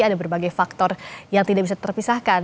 ada berbagai faktor yang tidak bisa terpisahkan